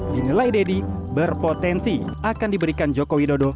dinilai deddy berpotensi akan diberikan joko widodo